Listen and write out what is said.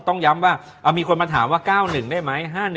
ต้องย้ำว่ามีคนมาถามว่า๙๑ได้ไหม๕๑